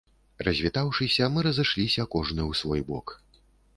Развітаўшыся, мы разышліся кожны ў свой бок.